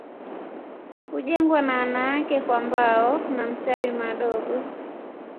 Hujengwa na wanawake kwa mbao na mtawi madogo